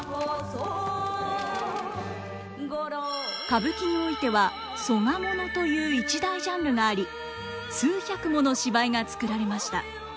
歌舞伎においては「曽我もの」という一大ジャンルがあり数百もの芝居が作られました。